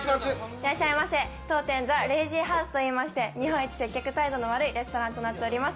いらっしゃいませ、当店ｔｈｅＬＡＺＹＨＯＵＳＥと言いまして、日本一接客態度の悪いレストランとなっております。